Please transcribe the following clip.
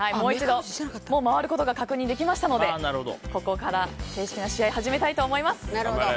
もう回ることが確認できましたのでここから正式な試合を始めたいと思います。